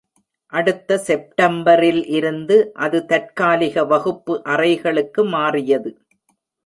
அடுத்த செப்டம்பரில் இருந்து, அது தற்காலிக வகுப்பு அறைகளுக்கு மாறியது.